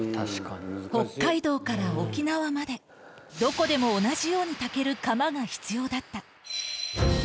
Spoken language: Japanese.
北海道から沖縄まで、どこでも同じように炊ける釜が必要だった。